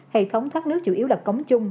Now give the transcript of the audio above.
hệ thống thoát nước chủ yếu là cống chung